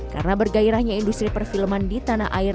karena bergairahnya industri perfilman di tanah air